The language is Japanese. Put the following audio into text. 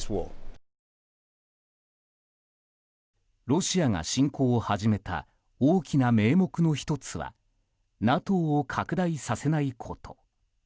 ロシアが侵攻を始めた大きな名目の１つはＮＡＴＯを拡大させないこと。